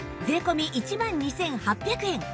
税込１万２８００円